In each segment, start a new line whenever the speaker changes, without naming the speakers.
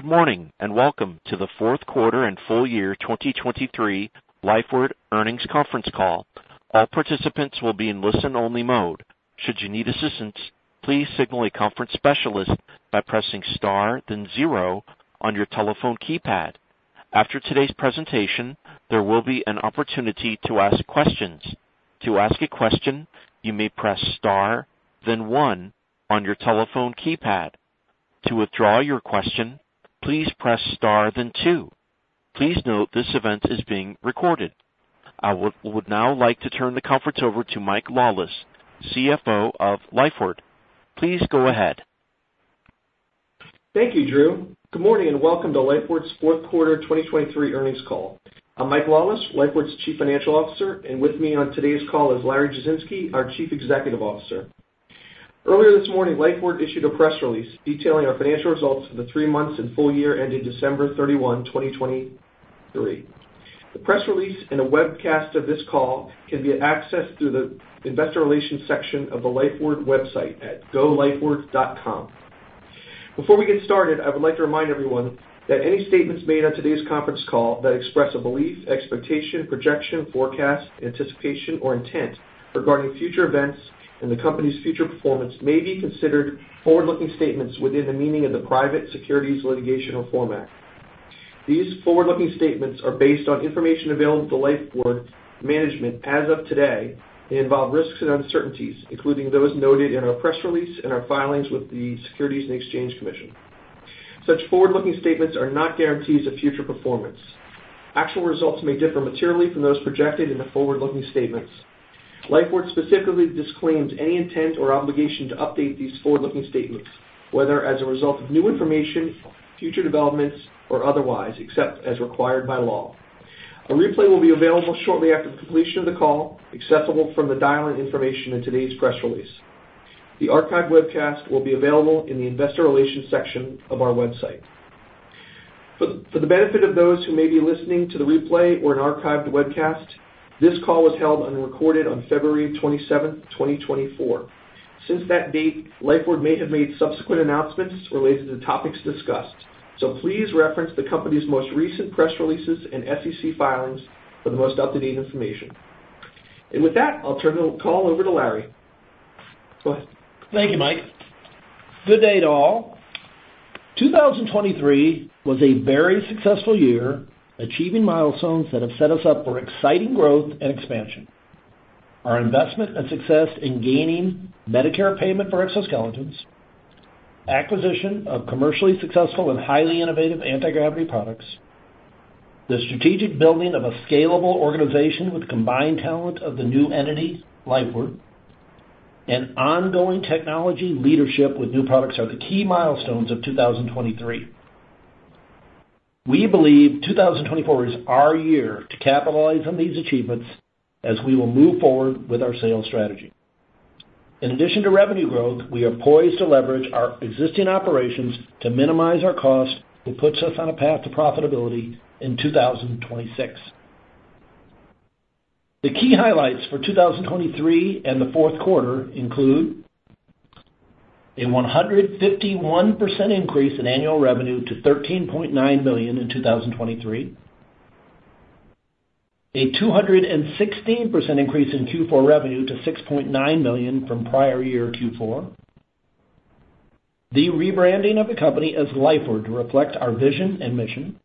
Good morning and welcome to the Q4 and full year 2023 Lifeward Earnings Conference Call. All participants will be in listen-only mode. Should you need assistance, please signal a conference specialist by pressing * then 0 on your telephone keypad. After today's presentation, there will be an opportunity to ask questions. To ask a question, you may press * then 1 on your telephone keypad. To withdraw your question, please press * then 2. Please note this event is being recorded. I would now like to turn the conference over to Mike Lawless, CFO of Lifeward. Please go ahead.
Thank you, Drew. Good morning and welcome to Lifeward's Q4 2023 earnings call. I'm Mike Lawless, Lifeward's Chief Financial Officer, and with me on today's call is Larry Jasinski, our Chief Executive Officer. Earlier this morning, Lifeward issued a press release detailing our financial results for the three months and full year ending December 31, 2023. The press release and a webcast of this call can be accessed through the Investor Relations section of the Lifeward website at golifeward.com. Before we get started, I would like to remind everyone that any statements made on today's conference call that express a belief, expectation, projection, forecast, anticipation, or intent regarding future events and the company's future performance may be considered forward-looking statements within the meaning of the Private Securities Litigation Reform Act. These forward-looking statements are based on information available to Lifeward management as of today and involve risks and uncertainties, including those noted in our press release and our filings with the Securities and Exchange Commission. Such forward-looking statements are not guarantees of future performance. Actual results may differ materially from those projected in the forward-looking statements. Lifeward specifically disclaims any intent or obligation to update these forward-looking statements, whether as a result of new information, future developments, or otherwise, except as required by law. A replay will be available shortly after the completion of the call, accessible from the dial-in information in today's press release. The archived webcast will be available in the Investor Relations section of our website. For the benefit of those who may be listening to the replay or an archived webcast, this call was held and recorded on February 27, 2024. Since that date, Lifeward may have made subsequent announcements related to the topics discussed, so please reference the company's most recent press releases and SEC filings for the most up-to-date information. With that, I'll turn the call over to Larry. Go ahead.
Thank you, Mike. Good day to all. 2023 was a very successful year, achieving milestones that have set us up for exciting growth and expansion. Our investment and success in gaining Medicare payment for exoskeletons, acquisition of commercially successful and highly innovative antigravity products, the strategic building of a scalable organization with the combined talent of the new entity, Lifeward, and ongoing technology leadership with new products are the key milestones of 2023. We believe 2024 is our year to capitalize on these achievements as we will move forward with our sales strategy. In addition to revenue growth, we are poised to leverage our existing operations to minimize our cost, which puts us on a path to profitability in 2026. The key highlights for 2023 and the Q4 include a 151% increase in annual revenue to $13.9 million in 2023, a 216% increase in Q4 revenue to $6.9 million from prior-year Q4, the rebranding of the company as Lifeward to reflect our vision and mission,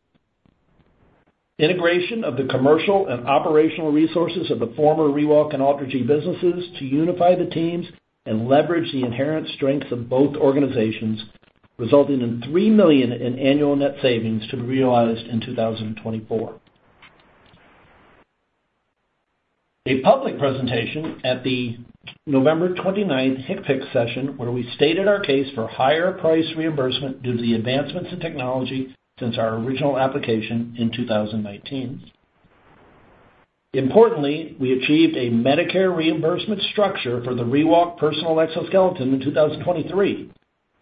integration of the commercial and operational resources of the former ReWalk and AlterG businesses to unify the teams and leverage the inherent strengths of both organizations, resulting in $3 million in annual net savings to be realized in 2024. A public presentation at the November 29th HICPIC session where we stated our case for higher price reimbursement due to the advancements in technology since our original application in 2019. Importantly, we achieved a Medicare reimbursement structure for the ReWalk personal exoskeleton in 2023.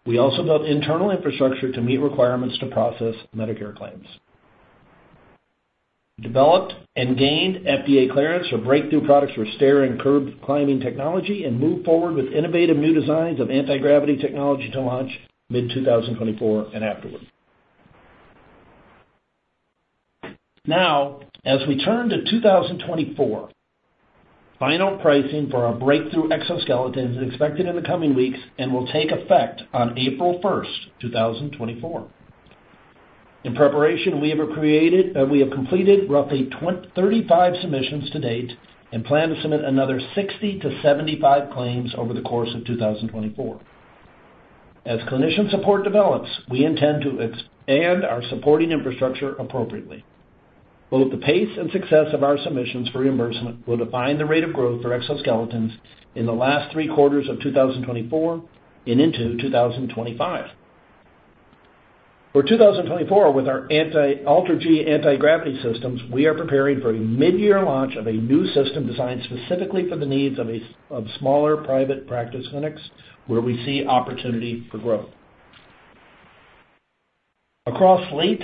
We also built internal infrastructure to meet requirements to process Medicare claims. Developed and gained FDA clearance for breakthrough products for stair and curb climbing technology and moved forward with innovative new designs of anti-gravity technology to launch mid-2024 and afterward. Now, as we turn to 2024, final pricing for our breakthrough exoskeleton is expected in the coming weeks and will take effect on April 1, 2024. In preparation, we have completed roughly 35 submissions to date and plan to submit another 60-75 claims over the course of 2024. As clinician support develops, we intend to expand our supporting infrastructure appropriately. Both the pace and success of our submissions for reimbursement will define the rate of growth for exoskeletons in the last Q3 of 2024 and into 2025. For 2024, with our AlterG anti-gravity systems, we are preparing for a mid-year launch of a new system designed specifically for the needs of smaller private practice clinics where we see opportunity for growth. Across late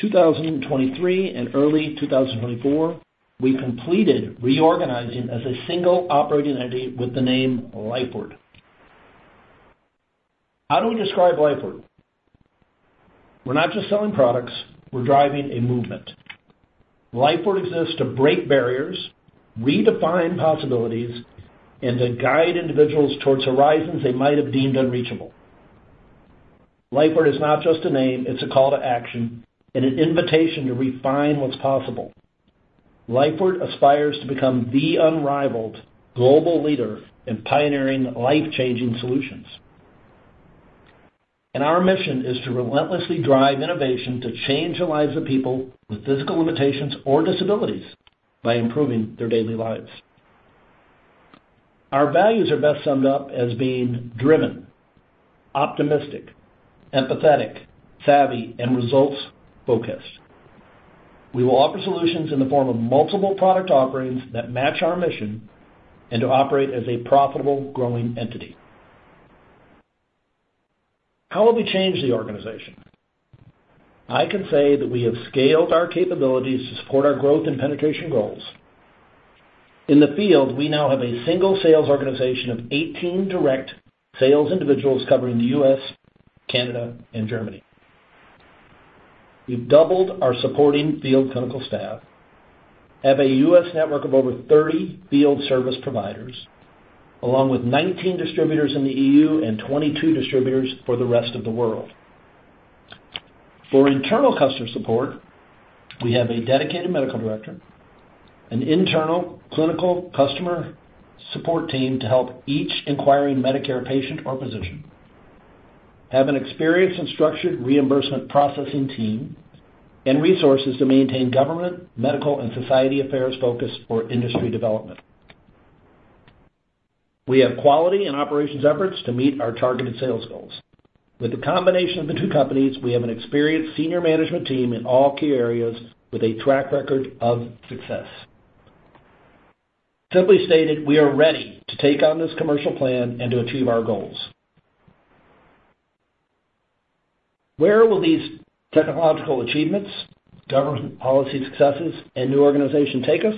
2023 and early 2024, we completed reorganizing as a single operating entity with the name Lifeward. How do we describe Lifeward? We're not just selling products. We're driving a movement. Lifeward exists to break barriers, redefine possibilities, and to guide individuals towards horizons they might have deemed unreachable. Lifeward is not just a name. It's a call to action and an invitation to refine what's possible. Lifeward aspires to become the unrivaled global leader in pioneering life-changing solutions. Our mission is to relentlessly drive innovation to change the lives of people with physical limitations or disabilities by improving their daily lives. Our values are best summed up as being driven, optimistic, empathetic, savvy, and results-focused. We will offer solutions in the form of multiple product offerings that match our mission and to operate as a profitable, growing entity. How will we change the organization? I can say that we have scaled our capabilities to support our growth and penetration goals. In the field, we now have a single sales organization of 18 direct sales individuals covering the U.S., Canada, and Germany. We've doubled our supporting field clinical staff, have a U.S. network of over 30 field service providers, along with 19 distributors in the EU and 22 distributors for the rest of the world. For internal customer support, we have a dedicated medical director, an internal clinical customer support team to help each inquiring Medicare patient or physician, have an experienced and structured reimbursement processing team, and resources to maintain government, medical, and society affairs focus for industry development. We have quality and operations efforts to meet our targeted sales goals. With the combination of the two companies, we have an experienced senior management team in all key areas with a track record of success. Simply stated, we are ready to take on this commercial plan and to achieve our goals. Where will these technological achievements, government policy successes, and new organization take us?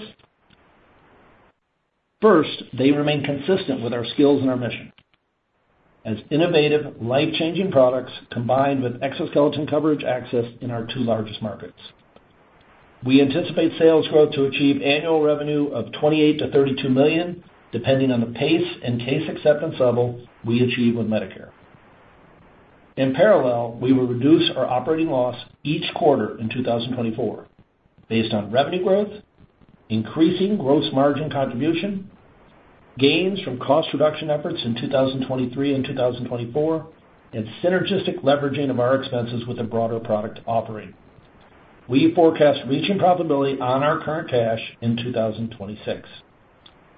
First, they remain consistent with our skills and our mission as innovative, life-changing products combined with exoskeleton coverage access in our two largest markets. We anticipate sales growth to achieve annual revenue of $28 million-$32 million, depending on the pace and case acceptance level we achieve with Medicare. In parallel, we will reduce our operating loss each quarter in 2024 based on revenue growth, increasing gross margin contribution, gains from cost reduction efforts in 2023 and 2024, and synergistic leveraging of our expenses with a broader product offering. We forecast reaching profitability on our current cash in 2026.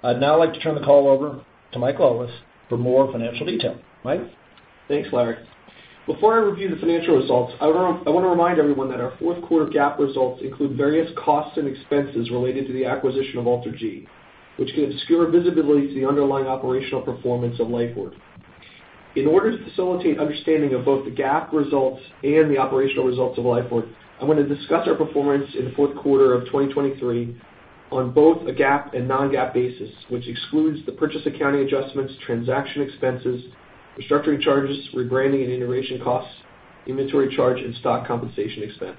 I'd now like to turn the call over to Mike Lawless for more financial detail. Mike?
Thanks, Larry. Before I review the financial results, I want to remind everyone that our Q4 GAAP results include various costs and expenses related to the acquisition of AlterG, which can obscure visibility to the underlying operational performance of Lifeward. In order to facilitate understanding of both the GAAP results and the operational results of Lifeward, I'm going to discuss our performance in the Q4 of 2023 on both a GAAP and non-GAAP basis, which excludes the purchase accounting adjustments, transaction expenses, restructuring charges, rebranding and integration costs, inventory charge, and stock compensation expense.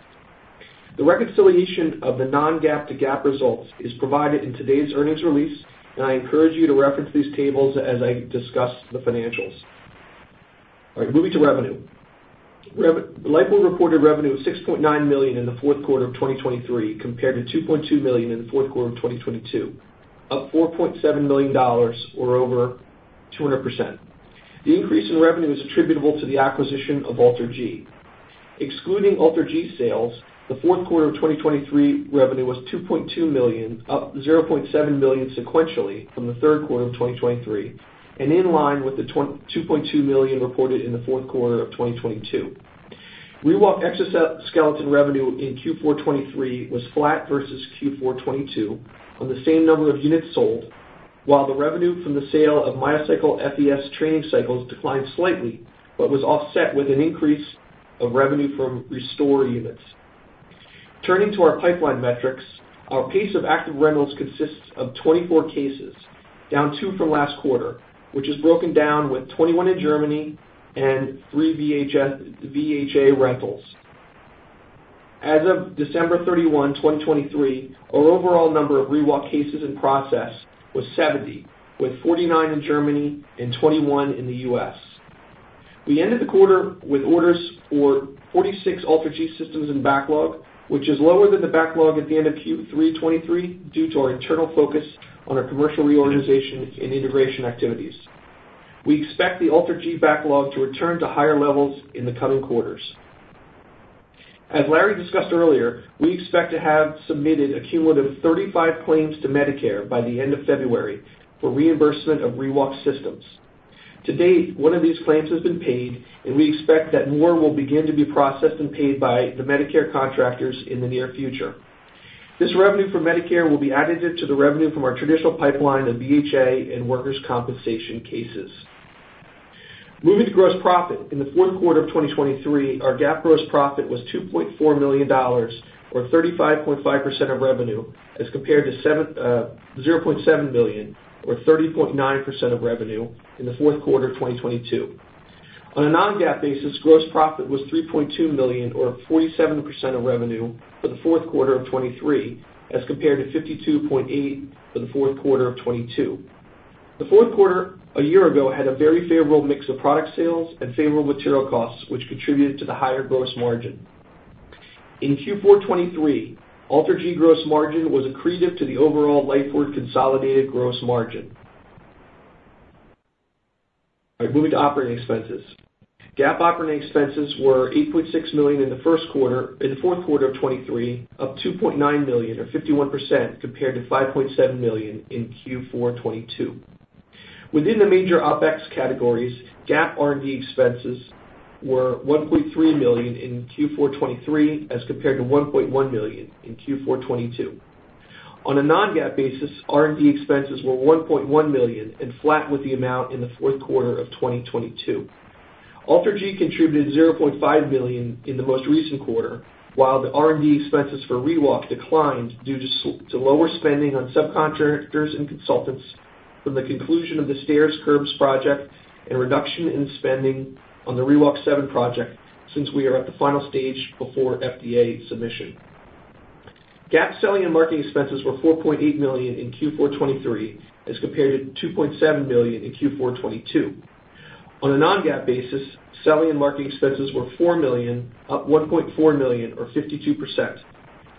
The reconciliation of the non-GAAP to GAAP results is provided in today's earnings release, and I encourage you to reference these tables as I discuss the financials. All right, moving to revenue. Lifeward reported revenue of $6.9 million in the Q4 of 2023 compared to $2.2 million in the Q4 of 2022, up $4.7 million or over 200%. The increase in revenue is attributable to the acquisition of AlterG. Excluding AlterG sales, the Q4 of 2023 revenue was $2.2 million, up $0.7 million sequentially from the Q3 of 2023, and in line with the $2.2 million reported in the Q4 of 2022. ReWalk exoskeleton revenue in Q4 2023 was flat versus Q4 2022 on the same number of units sold, while the revenue from the sale of MyoCycle FES training cycles declined slightly but was offset with an increase of revenue from ReStore units. Turning to our pipeline metrics, our pace of active rentals consists of 24 cases, down two from last quarter, which is broken down with 21 in Germany and three VHA rentals. As of December 31, 2023, our overall number of ReWalk cases in process was 70, with 49 in Germany and 21 in the U.S. We ended the quarter with orders for 46 AlterG systems in backlog, which is lower than the backlog at the end of Q3 2023 due to our internal focus on our commercial reorganization and integration activities. We expect the AlterG backlog to return to higher levels in the coming quarters. As Larry discussed earlier, we expect to have submitted a cumulative 35 claims to Medicare by the end of February for reimbursement of ReWalk systems. To date, one of these claims has been paid, and we expect that more will begin to be processed and paid by the Medicare contractors in the near future. This revenue from Medicare will be additive to the revenue from our traditional pipeline of VHA and workers' compensation cases. Moving to gross profit, in the Q4 of 2023, our GAAP gross profit was $2.4 million, or 35.5% of revenue, as compared to $0.7 million, or 30.9% of revenue, in the Q4 of 2022. On a non-GAAP basis, gross profit was $3.2 million, or 47% of revenue, for the fourth quarter of 2023, as compared to $52.8 million for the fourth quarter of 2022. The fourth quarter a year ago had a very favorable mix of product sales and favorable material costs, which contributed to the higher gross margin. In Q4 2023, AlterG gross margin was accretive to the overall Lifeward consolidated gross margin. All right, moving to operating expenses. GAAP operating expenses were $8.6 million in the Q4 of 2023, up $2.9 million, or 51%, compared to $5.7 million in Q4 2022. Within the major OpEx categories, GAAP R&D expenses were $1.3 million in Q4 2023 as compared to $1.1 million in Q4 2022. On a non-GAAP basis, R&D expenses were $1.1 million and flat with the amount in the Q4 of 2022. AlterG contributed $0.5 million in the most recent quarter, while the R&D expenses for ReWalk declined due to lower spending on subcontractors and consultants from the conclusion of the stairs/curbs project and reduction in spending on the ReWalk 7 project since we are at the final stage before FDA submission. GAAP selling and marketing expenses were $4.8 million in Q4 2023 as compared to $2.7 million in Q4 2022. On a non-GAAP basis, selling and marketing expenses were $4 million, up $1.4 million, or 52%.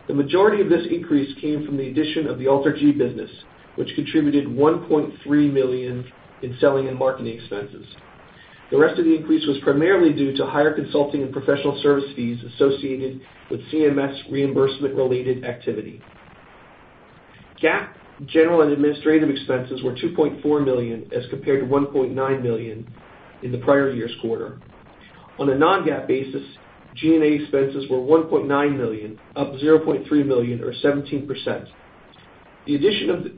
The majority of this increase came from the addition of the AlterG business, which contributed $1.3 million in selling and marketing expenses. The rest of the increase was primarily due to higher consulting and professional service fees associated with CMS reimbursement-related activity. GAAP general and administrative expenses were $2.4 million as compared to $1.9 million in the prior year's quarter. On a non-GAAP basis, G&A expenses were $1.9 million, up $0.3 million, or 17%. The addition of the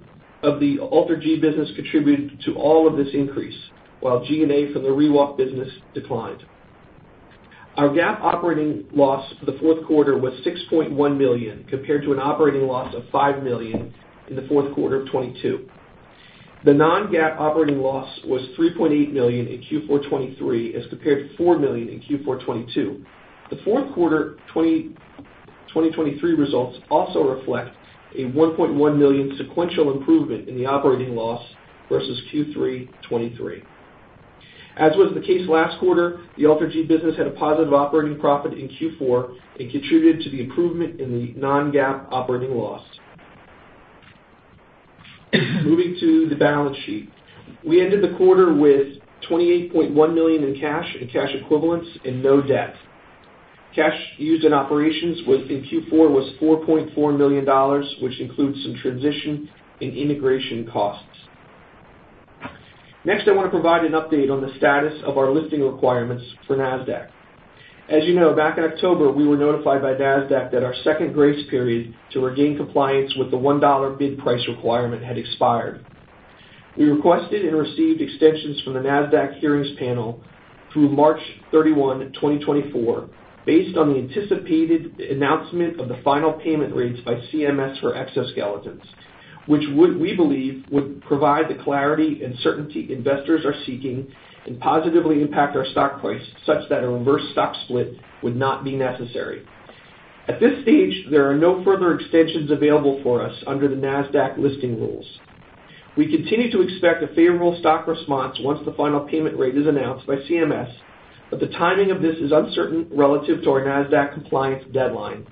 AlterG business contributed to all of this increase, while G&A from the ReWalk business declined. Our GAAP operating loss for the Q4 was $6.1 million compared to an operating loss of $5 million in the Q4 of 2022. The non-GAAP operating loss was $3.8 million in Q4 2023 as compared to $4 million in Q4 2022. The Q4 2023 results also reflect a $1.1 million sequential improvement in the operating loss versus Q3 2023. As was the case last quarter, the AlterG business had a positive operating profit in Q4 and contributed to the improvement in the non-GAAP operating loss. Moving to the balance sheet, we ended the quarter with $28.1 million in cash and cash equivalents and no debt. Cash used in operations in Q4 was $4.4 million, which includes some transition and integration costs. Next, I want to provide an update on the status of our listing requirements for NASDAQ. As you know, back in October, we were notified by NASDAQ that our second grace period to regain compliance with the $1 bid price requirement had expired. We requested and received extensions from the NASDAQ hearings panel through March 31, 2024, based on the anticipated announcement of the final payment rates by CMS for exoskeletons, which we believe would provide the clarity and certainty investors are seeking and positively impact our stock price such that a reverse stock split would not be necessary. At this stage, there are no further extensions available for us under the NASDAQ listing rules. We continue to expect a favorable stock response once the final payment rate is announced by CMS, but the timing of this is uncertain relative to our NASDAQ compliance deadline.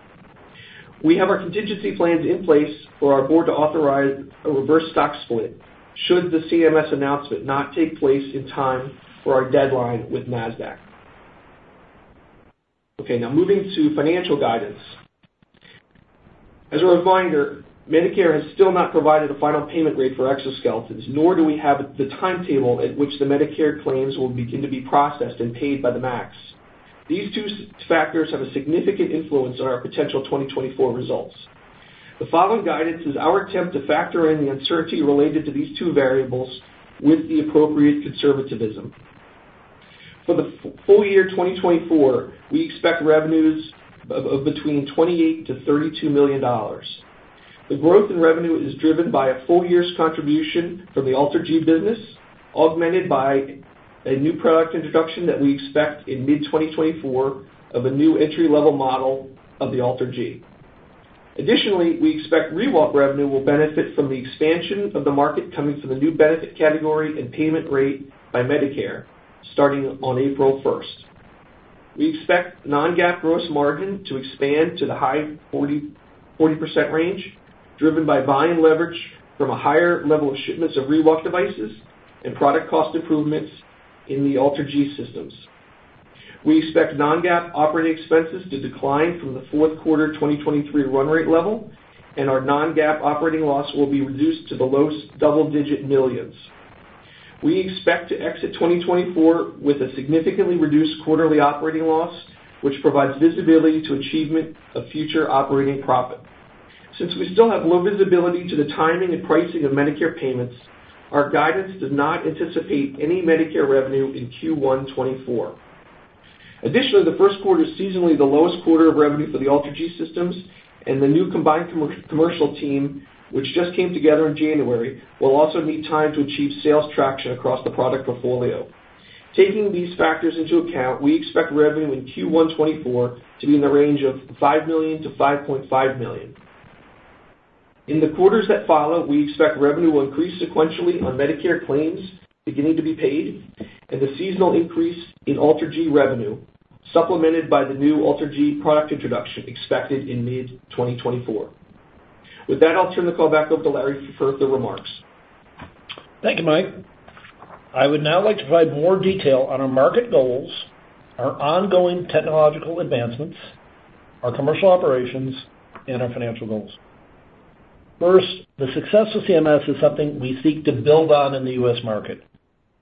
We have our contingency plans in place for our board to authorize a reverse stock split should the CMS announcement not take place in time for our deadline with NASDAQ. Okay, now moving to financial guidance. As a reminder, Medicare has still not provided a final payment rate for exoskeletons, nor do we have the timetable at which the Medicare claims will begin to be processed and paid by the MACs. These two factors have a significant influence on our potential 2024 results. The following guidance is our attempt to factor in the uncertainty related to these two variables with the appropriate conservatism. For the full year 2024, we expect revenues of between $28 million-$32 million. The growth in revenue is driven by a full year's contribution from the AlterG business, augmented by a new product introduction that we expect in mid-2024 of a new entry-level model of the AlterG. Additionally, we expect ReWalk revenue will benefit from the expansion of the market coming from the new benefit category and payment rate by Medicare starting on April 1st. We expect non-GAAP gross margin to expand to the high 40% range, driven by buying leverage from a higher level of shipments of ReWalk devices and product cost improvements in the AlterG systems. We expect non-GAAP operating expenses to decline from the Q3 2023 run rate level, and our non-GAAP operating loss will be reduced to the lowest double-digit millions. We expect to exit 2024 with a significantly reduced quarterly operating loss, which provides visibility to achievement of future operating profit. Since we still have low visibility to the timing and pricing of Medicare payments, our guidance does not anticipate any Medicare revenue in Q1 2024. Additionally, the Q1 is seasonally the lowest quarter of revenue for the AlterG systems, and the new combined commercial team, which just came together in January, will also need time to achieve sales traction across the product portfolio. Taking these factors into account, we expect revenue in Q1 2024 to be in the range of $5 million-$5.5 million. In the quarters that follow, we expect revenue will increase sequentially on Medicare claims beginning to be paid and the seasonal increase in AlterG revenue supplemented by the new AlterG product introduction expected in mid-2024. With that, I'll turn the call back over to Larry for further remarks.
Thank you, Mike. I would now like to provide more detail on our market goals, our ongoing technological advancements, our commercial operations, and our financial goals. First, the success with CMS is something we seek to build on in the U.S. market.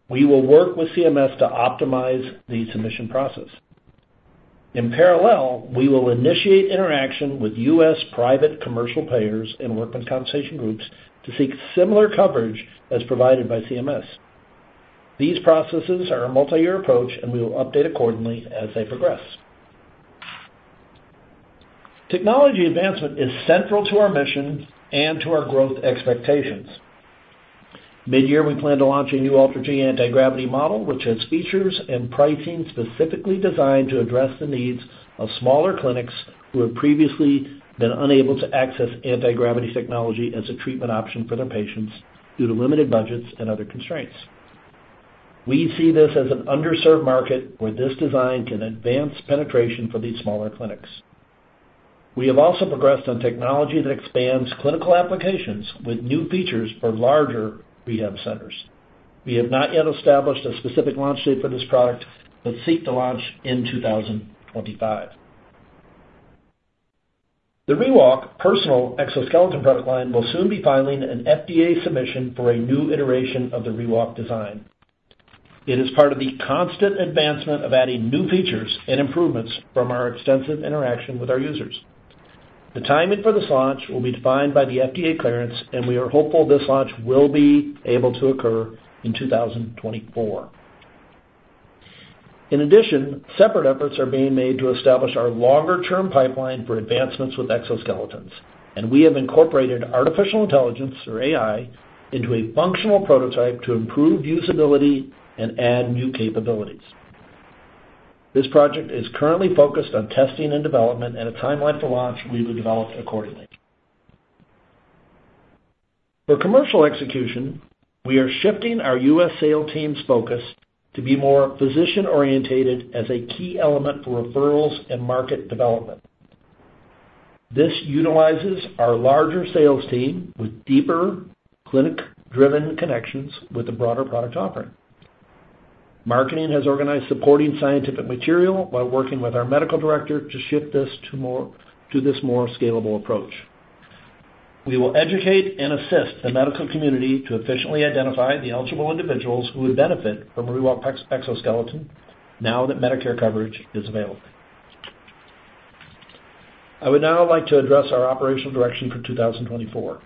We will work with CMS to optimize the submission process. In parallel, we will initiate interaction with U.S. private commercial payers and workers' compensation groups to seek similar coverage as provided by CMS. These processes are a multi-year approach, and we will update accordingly as they progress. Technology advancement is central to our mission and to our growth expectations. Mid-year, we plan to launch a new AlterG Anti-Gravity model, which has features and pricing specifically designed to address the needs of smaller clinics who have previously been unable to access antigravity technology as a treatment option for their patients due to limited budgets and other constraints. We see this as an underserved market where this design can advance penetration for these smaller clinics. We have also progressed on technology that expands clinical applications with new features for larger rehab centers. We have not yet established a specific launch date for this product but seek to launch in 2025. The ReWalk Personal Exoskeleton product line will soon be filing an FDA submission for a new iteration of the ReWalk design. It is part of the constant advancement of adding new features and improvements from our extensive interaction with our users. The timing for this launch will be defined by the FDA clearance, and we are hopeful this launch will be able to occur in 2024. In addition, separate efforts are being made to establish our longer-term pipeline for advancements with exoskeletons, and we have incorporated artificial intelligence, or AI, into a functional prototype to improve usability and add new capabilities. This project is currently focused on testing and development, and a timeline for launch will be developed accordingly. For commercial execution, we are shifting our U.S. sales team's focus to be more physician-oriented as a key element for referrals and market development. This utilizes our larger sales team with deeper clinic-driven connections with a broader product offering. Marketing has organized supporting scientific material while working with our medical director to shift this to this more scalable approach. We will educate and assist the medical community to efficiently identify the eligible individuals who would benefit from ReWalk exoskeleton now that Medicare coverage is available. I would now like to address our operational direction for 2024.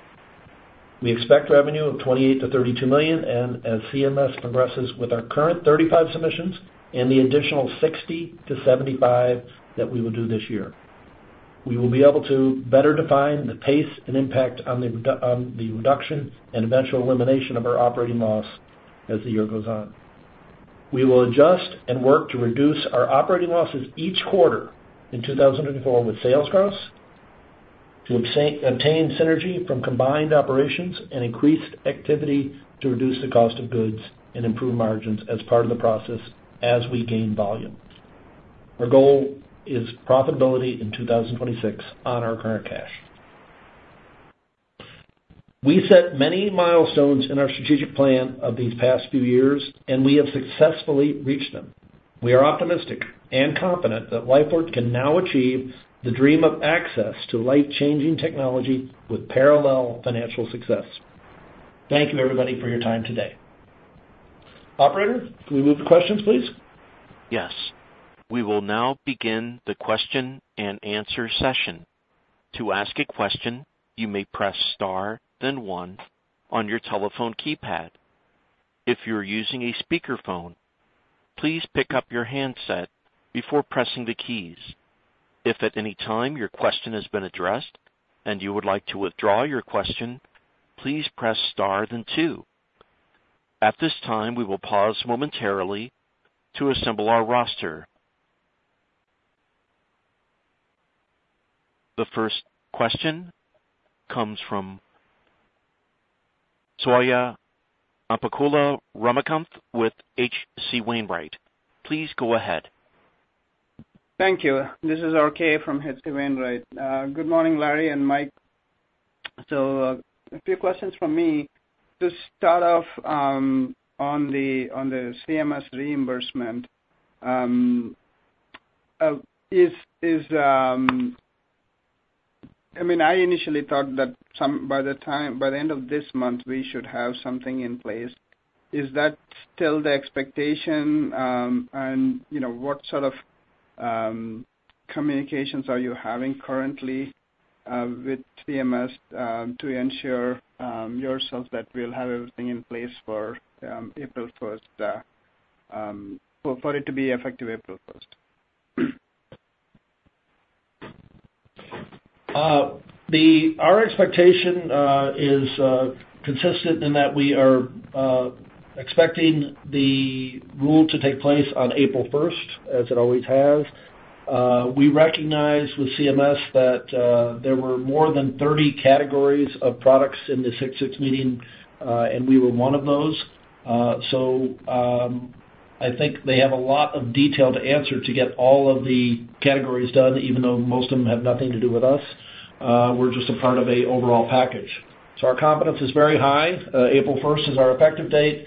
We expect revenue of $28-$32 million and, as CMS progresses with our current 35 submissions and the additional 60-75 that we will do this year, we will be able to better define the pace and impact on the reduction and eventual elimination of our operating loss as the year goes on. We will adjust and work to reduce our operating losses each quarter in 2024 with sales gross to obtain synergy from combined operations and increased activity to reduce the cost of goods and improve margins as part of the process as we gain volume. Our goal is profitability in 2026 on our current cash. We set many milestones in our strategic plan of these past few years, and we have successfully reached them. We are optimistic and confident that Lifeward can now achieve the dream of access to life-changing technology with parallel financial success. Thank you, everybody, for your time today. Operator, can we move to questions, please?
Yes. We will now begin the question-and-answer session. To ask a question, you may press * then 1 on your telephone keypad. If you're using a speakerphone, please pick up your handset before pressing the keys. If at any time your question has been addressed and you would like to withdraw your question, please press * then 2. At this time, we will pause momentarily to assemble our roster. The first question comes from Swayampakula Ramakanth with H.C. Wainwright. Please go ahead.
Thank you. This is R. K. from H.C. Wainwright. Good morning, Larry and Mike. So a few questions from me. To start off on the CMS reimbursement, I mean, I initially thought that by the end of this month, we should have something in place. Is that still the expectation, and what sort of communications are you having currently with CMS to ensure yourselves that we'll have everything in place for April 1st, for it to be effective April 1st?
Our expectation is consistent in that we are expecting the rule to take place on April 1st, as it always has. We recognize with CMS that there were more than 30 categories of products in the HCPCS meeting, and we were one of those. So I think they have a lot of detail to answer to get all of the categories done, even though most of them have nothing to do with us. We're just a part of an overall package. So our confidence is very high. April 1st is our effective date.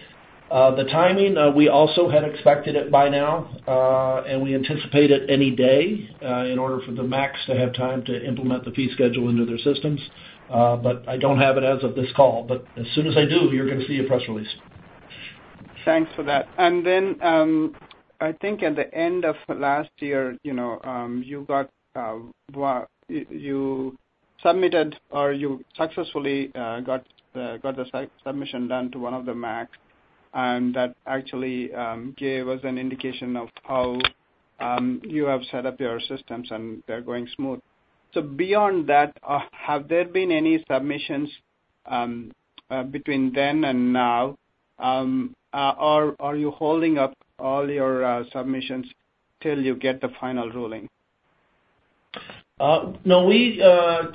The timing, we also had expected it by now, and we anticipate it any day in order for the MACs to have time to implement the fee schedule into their systems. But I don't have it as of this call. But as soon as I do, you're going to see a press release.
Thanks for that. And then I think at the end of last year, you submitted or you successfully got the submission done to one of the MACs, and that actually gave us an indication of how you have set up your systems and they're going smooth. So beyond that, have there been any submissions between then and now, or are you holding up all your submissions till you get the final ruling?
No, we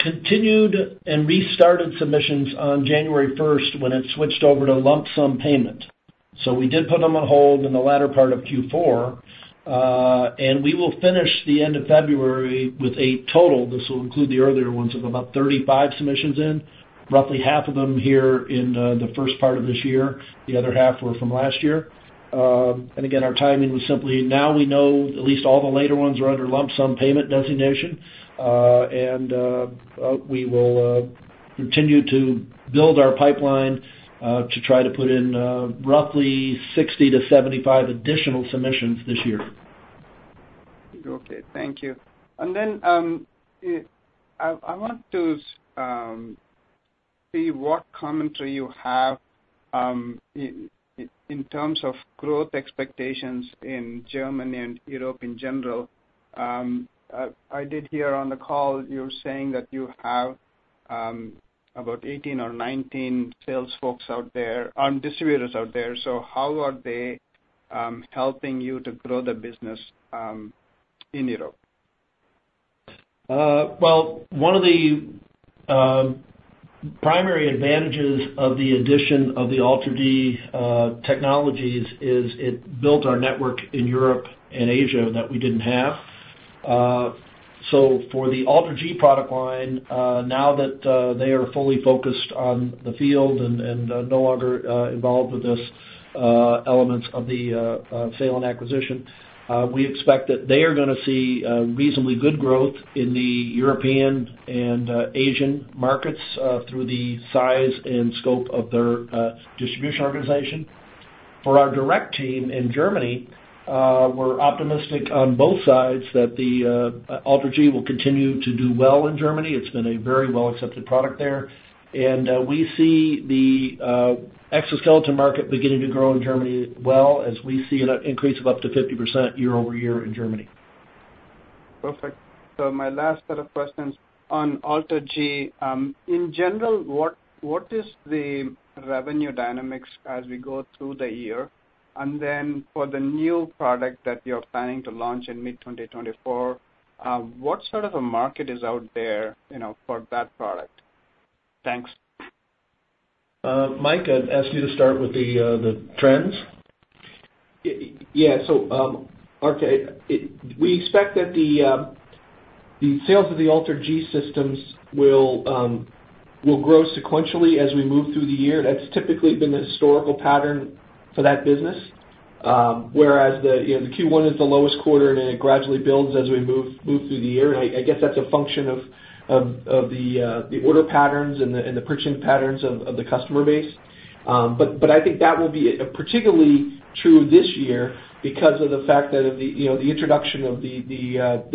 continued and restarted submissions on January 1st when it switched over to lump sum payment. We did put them on hold in the latter part of Q4. We will finish the end of February with 8 total. This will include the earlier ones of about 35 submissions in, roughly half of them here in the first part of this year. The other half were from last year. Our timing was simply now we know at least all the later ones are under lump sum payment designation, and we will continue to build our pipeline to try to put in roughly 60-75 additional submissions this year.
Okay. Thank you. Then I want to see what commentary you have in terms of growth expectations in Germany and Europe in general. I did hear on the call you were saying that you have about 18 or 19 sales folks out there, distributors out there. How are they helping you to grow the business in Europe?
Well, one of the primary advantages of the addition of the AlterG technologies is it built our network in Europe and Asia that we didn't have. So for the AlterG product line, now that they are fully focused on the field and no longer involved with those elements of the sale and acquisition, we expect that they are going to see reasonably good growth in the European and Asian markets through the size and scope of their distribution organization. For our direct team in Germany, we're optimistic on both sides that the AlterG will continue to do well in Germany. It's been a very well-accepted product there. And we see the exoskeleton market beginning to grow in Germany as well as we see an increase of up to 50% year-over-year in Germany.
Perfect. So my last set of questions on AlterG. In general, what is the revenue dynamics as we go through the year? And then for the new product that you're planning to launch in mid-2024, what sort of a market is out there for that product? Thanks.
Mike, I'd ask you to start with the trends. Yeah. So we expect that the sales of the AlterG systems will grow sequentially as we move through the year. That's typically been the historical pattern for that business, whereas the Q1 is the lowest quarter and then it gradually builds as we move through the year. And I guess that's a function of the order patterns and the pricing patterns of the customer base. But I think that will be particularly true this year because of the fact that the introduction of the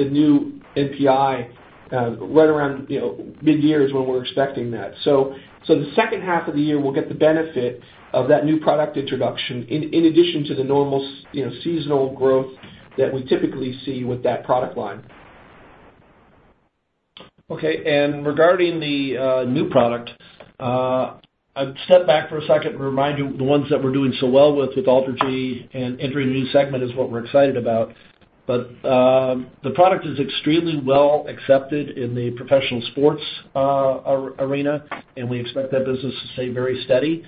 new NPI right around mid-year is when we're expecting that. So the second half of the year, we'll get the benefit of that new product introduction in addition to the normal seasonal growth that we typically see with that product line. Okay. Regarding the new product, I'd step back for a second and remind you the ones that we're doing so well with AlterG and entering a new segment is what we're excited about. But the product is extremely well-accepted in the professional sports arena, and we expect that business to stay very steady.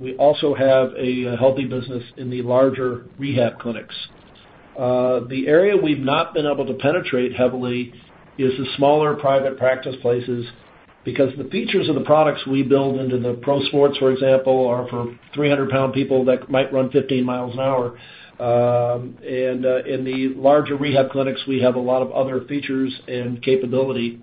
We also have a healthy business in the larger rehab clinics. The area we've not been able to penetrate heavily is the smaller private practice places because the features of the products we build into the pro sports, for example, are for 300-pound people that might run 15 miles an hour. And in the larger rehab clinics, we have a lot of other features and capability.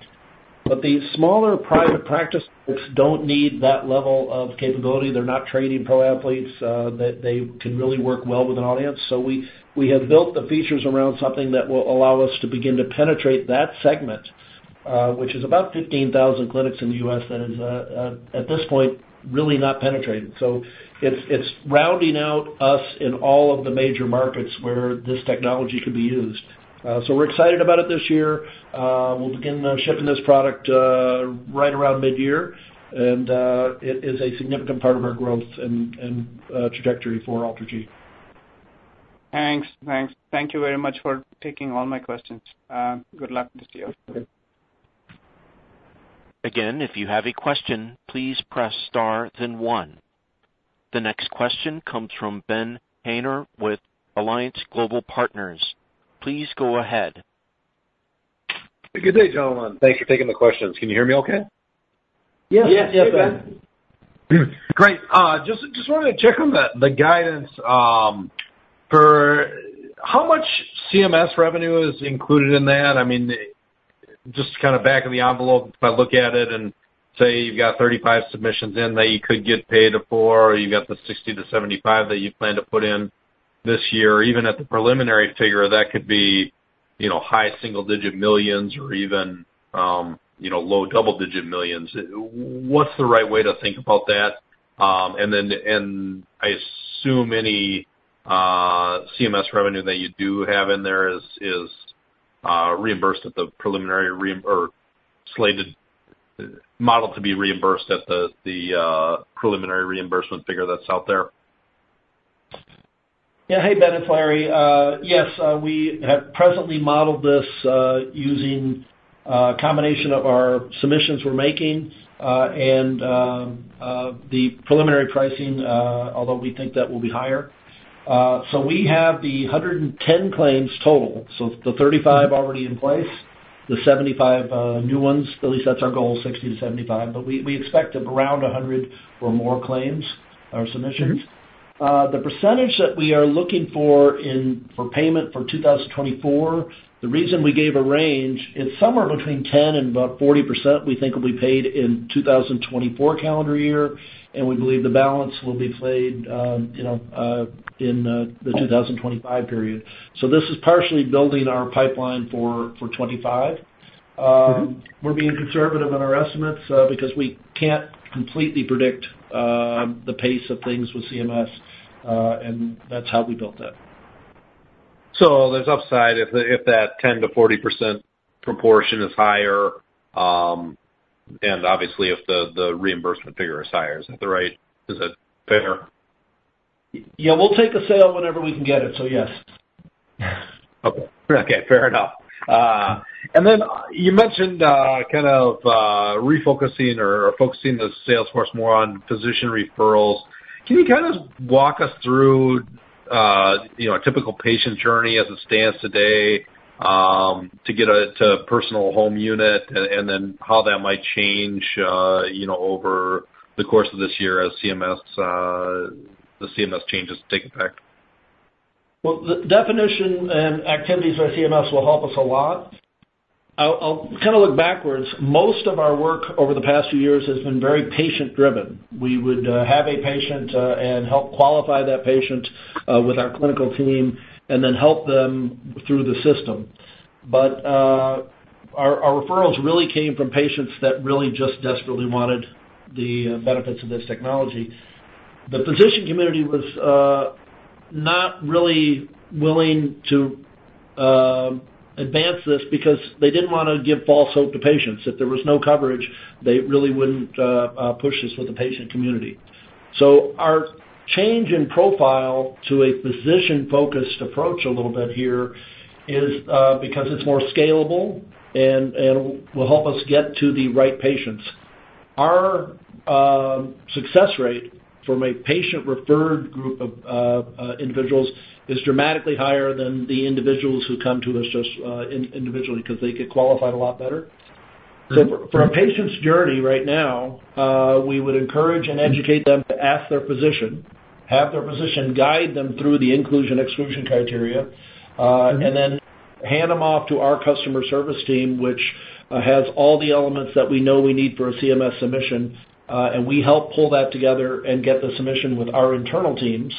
But the smaller private practice clinics don't need that level of capability. They're not training pro athletes. They can really work well with an audience. So we have built the features around something that will allow us to begin to penetrate that segment, which is about 15,000 clinics in the U.S. that is, at this point, really not penetrated. So it's rounding out us in all of the major markets where this technology could be used. So we're excited about it this year. We'll begin shipping this product right around mid-year, and it is a significant part of our growth and trajectory for AlterG.
Thanks. Thanks. Thank you very much for taking all my questions. Good luck this year.
Again, if you have a question, please press * then 1. The next question comes from Ben Haynor with Alliance Global Partners. Please go ahead.
Good day, gentlemen. Thanks for taking the questions. Can you hear me okay?
Yes. Yes. Yes, Ben.
Great. Just wanted to check on the guidance. How much CMS revenue is included in that? I mean, just kind of back of the envelope, if I look at it and say you've got 35 submissions in that you could get paid for, or you've got the 60-75 that you plan to put in this year, even at the preliminary figure, that could be high single-digit millions or even low double-digit millions. What's the right way to think about that? And then I assume any CMS revenue that you do have in there is reimbursed at the preliminary or modeled to be reimbursed at the preliminary reimbursement figure that's out there.
Yeah. Hey, Ben. It's Larry. Yes. We have presently modeled this using a combination of our submissions we're making and the preliminary pricing, although we think that will be higher. So we have the 110 claims total, so the 35 already in place, the 75 new ones. At least that's our goal, 60-75. But we expect around 100 or more claims or submissions. The percentage that we are looking for for payment for 2024, the reason we gave a range is somewhere between 10% and about 40% we think will be paid in 2024 calendar year, and we believe the balance will be paid in the 2025 period. So this is partially building our pipeline for 2025. We're being conservative in our estimates because we can't completely predict the pace of things with CMS, and that's how we built that. So there's upside if that 10%-40% proportion is higher and obviously if the reimbursement figure is higher. Is that right? Is that fair? Yeah. We'll take a sale whenever we can get it, so yes.
Okay. Fair enough. And then you mentioned kind of refocusing or focusing the sales force more on physician referrals. Can you kind of walk us through a typical patient journey as it stands today to get to a personal home unit and then how that might change over the course of this year as CMS changes take effect?
Well, the definition and activities by CMS will help us a lot. I'll kind of look backwards. Most of our work over the past few years has been very patient-driven. We would have a patient and help qualify that patient with our clinical team and then help them through the system. But our referrals really came from patients that really just desperately wanted the benefits of this technology. The physician community was not really willing to advance this because they didn't want to give false hope to patients. If there was no coverage, they really wouldn't push this with the patient community. So our change in profile to a physician-focused approach a little bit here is because it's more scalable and will help us get to the right patients. Our success rate from a patient-referred group of individuals is dramatically higher than the individuals who come to us just individually because they get qualified a lot better. So for a patient's journey right now, we would encourage and educate them to ask their physician, have their physician guide them through the inclusion/exclusion criteria, and then hand them off to our customer service team, which has all the elements that we know we need for a CMS submission. And we help pull that together and get the submission with our internal teams.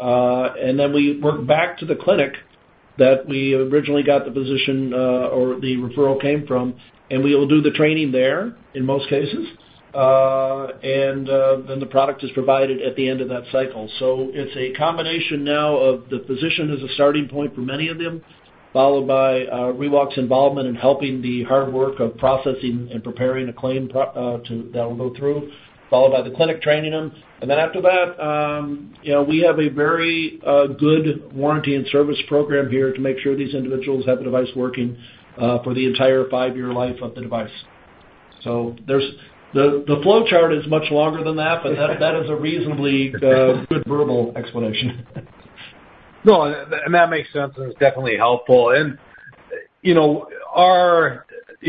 And then we work back to the clinic that we originally got the physician or the referral came from, and we will do the training there in most cases. And then the product is provided at the end of that cycle. So it's a combination now of the physician as a starting point for many of them, followed by ReWalk involvement in helping the hard work of processing and preparing a claim that will go through, followed by the clinic training them. And then after that, we have a very good warranty and service program here to make sure these individuals have a device working for the entire five-year life of the device. So the flowchart is much longer than that, but that is a reasonably good verbal explanation.
No. And that makes sense. And it's definitely helpful. And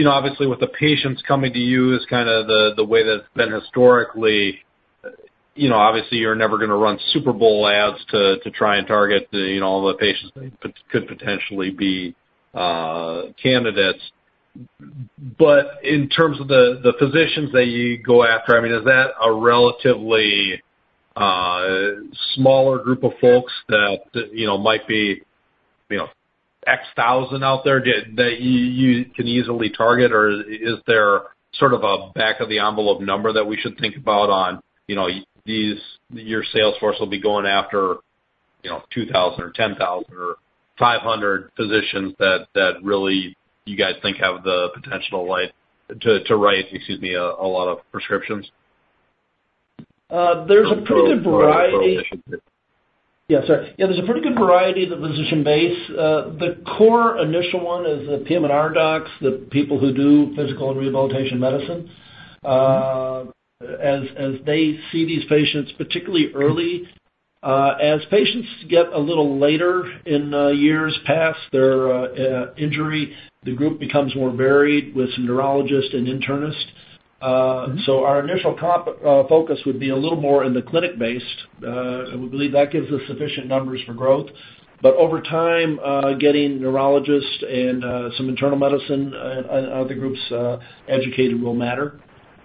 obviously, with the patients coming to you is kind of the way that it's been historically. Obviously, you're never going to run Super Bowl ads to try and target all the patients that could potentially be candidates. But in terms of the physicians that you go after, I mean, is that a relatively smaller group of folks that might be X thousand out there that you can easily target, or is there sort of a back of the envelope number that we should think about on your sales force will be going after 2,000 or 10,000 or 500 physicians that really you guys think have the potential to write, excuse me, a lot of prescriptions?
There's a pretty good variety.
ReWalk or physicians?
Yeah. Sorry. Yeah. There's a pretty good variety of the physician base. The core initial one is the PM&R docs, the people who do physical and rehabilitation medicine. As they see these patients, particularly early, as patients get a little later in years past their injury, the group becomes more varied with some neurologists and internists. So our initial focus would be a little more in the clinic-based. We believe that gives us sufficient numbers for growth. But over time, getting neurologists and some internal medicine and other groups educated will matter.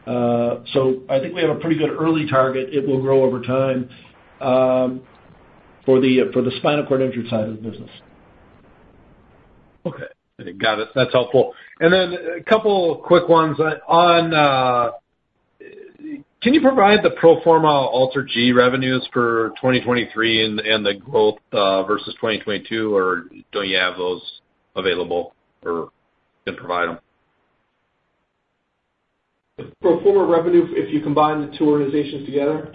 So I think we have a pretty good early target. It will grow over time for the spinal cord injury side of the business.
Okay. Got it. That's helpful. And then a couple of quick ones. Can you provide the pro forma AlterG revenues for 2023 and the growth versus 2022, or don't you have those available or can provide them?
The pro forma revenue if you combine the two organizations together?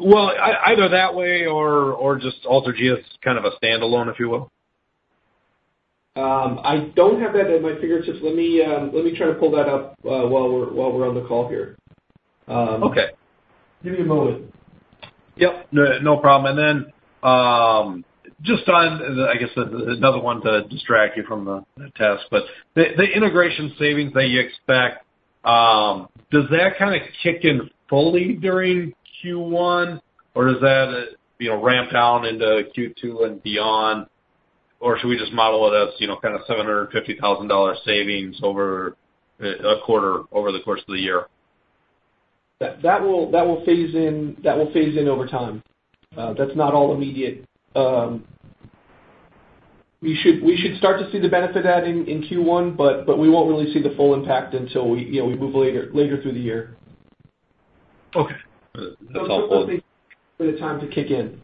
Well, either that way or just AlterG is kind of a standalone, if you will.
I don't have that at my fingertips. Let me try to pull that up while we're on the call here. Give me a moment.
Yep. No problem. And then just on, I guess, another one to distract you from the test, but the integration savings that you expect, does that kind of kick in fully during Q1, or does that ramp down into Q2 and beyond, or should we just model it as kind of $750,000 savings over a quarter over the course of the year?
That will phase in. That will phase in over time. That's not all immediate. We should start to see the benefit of that in Q1, but we won't really see the full impact until we move later through the year.
Okay. That's helpful.
It's a good time to kick in.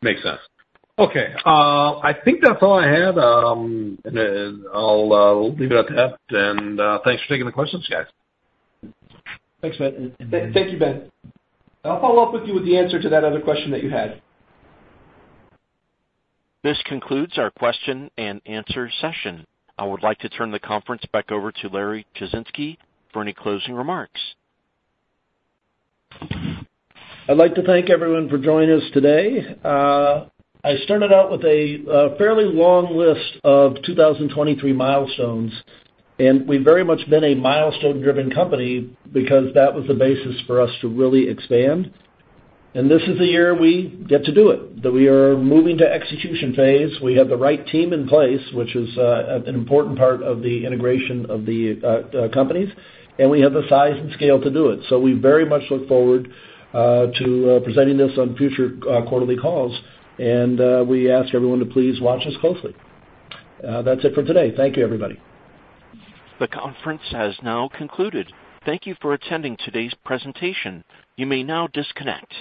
Makes sense. Okay. I think that's all I had, and I'll leave it at that. Thanks for taking the questions, guys.
Thanks, Ben.
Thank you, Ben.
I'll follow up with you with the answer to that other question that you had.
This concludes our question and answer session. I would like to turn the conference back over to Larry Jasinski for any closing remarks.
I'd like to thank everyone for joining us today. I started out with a fairly long list of 2023 milestones, and we've very much been a milestone-driven company because that was the basis for us to really expand. This is a year we get to do it, that we are moving to execution phase. We have the right team in place, which is an important part of the integration of the companies, and we have the size and scale to do it. We very much look forward to presenting this on future quarterly calls, and we ask everyone to please watch us closely. That's it for today. Thank you, everybody.
The conference has now concluded. Thank you for attending today's presentation. You may now disconnect.